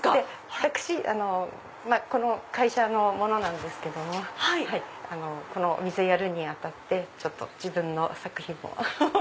私この会社の者なんですけどもこのお店をやるに当たって自分の作品も。